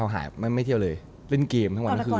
๑๘๑๙หายไม่เที่ยวเลยเล่นเกมทั้งวันเที่ยว